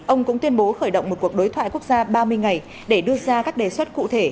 ông cũng tuyên bố khởi động một cuộc đối thoại quốc gia ba mươi ngày để đưa ra các đề xuất cụ thể